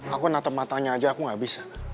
aku natap matanya aja aku gak bisa